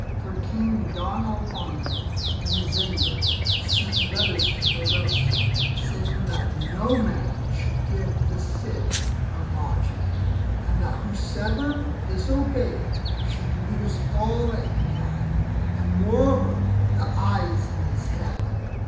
For King Don Alfonso in his anger had sent letters to Burgos, saying that no man should give the Cid a lodging; and that whosoever disobeyed should lose all that he had, and moreover the eyes in his head.